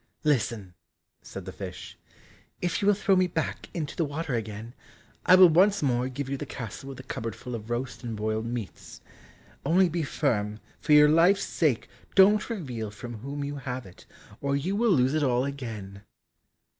"Listen," said the fish, "if you will throw me back into the water again, I will once more give you the castle with the cupboard full of roast and boiled meats; only be firm, for your life's sake don't reveal from whom you have it, or you will lose it all again!"